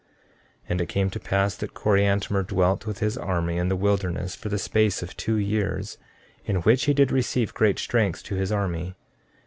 14:7 And it came to pass that Coriantumr dwelt with his army in the wilderness for the space of two years, in which he did receive great strength to his army.